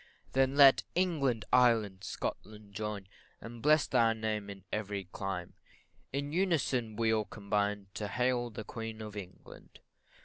Then let England, Ireland, Scotland, join, And bless thy name in every clime In unison we all combine To hail the Queen of England.